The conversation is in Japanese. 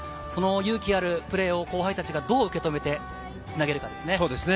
その勇気あるプレーを後輩たちがどう受け止めてつなげるかですね。